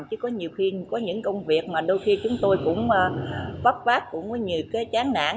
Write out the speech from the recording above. chứ có nhiều khi có những công việc mà đôi khi chúng tôi cũng vấp váp cũng có nhiều cái chán nản